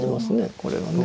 これはね。